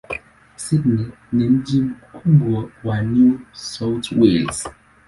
Sydney ni mji mkubwa wa New South Wales.